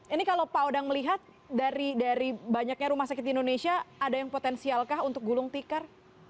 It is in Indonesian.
ini kalau pak odang melihat dari banyaknya rumah sakit di indonesia ada yang potensialkah untuk gulung tikar